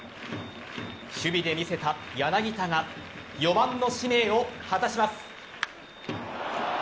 守備で見せた柳田が４番の使命を果たします。